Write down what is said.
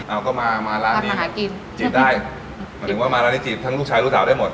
เอาก็มามาร้านนี้หากินจีบได้หมายถึงว่ามาร้านนี้จีบทั้งลูกชายลูกสาวได้หมด